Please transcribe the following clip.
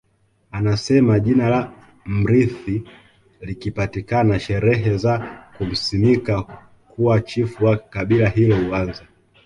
Anasema jina la mrithi likipatikana sherehe za kumsimika kuwa Chifu wa kabila hilo huanza